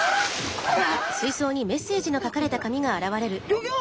ギョギョ！